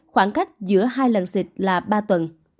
khoảng cách giữa hai lần xịn là ba tuần